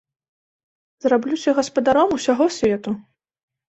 Зраблюся гаспадаром усяго свету.